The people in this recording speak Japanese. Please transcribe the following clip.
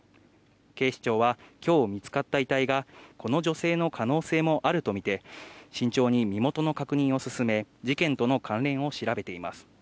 警視庁は、きょう見つかった遺体が、この女性の可能性もあると見て、慎重に身元の確認を進め、事件との関連を調べています。